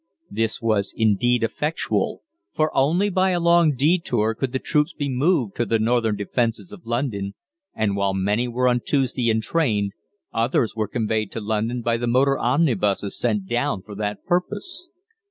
This was, indeed, effectual, for only by a long détour could the troops be moved to the northern defences of London, and while many were on Tuesday entrained, others were conveyed to London by the motor omnibuses sent down for that purpose.